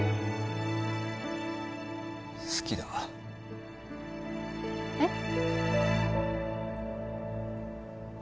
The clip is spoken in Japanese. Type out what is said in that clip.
好きだえっ？